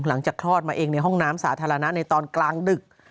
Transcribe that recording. คลอดมาเองในห้องน้ำสาธารณะในตอนกลางดึก